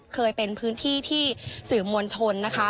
เคยเป็นพื้นที่ที่สื่อมวลชนนะคะ